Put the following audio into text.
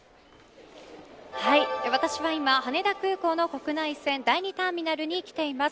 私は今、羽田空港の国内線第２ターミナルに来ています。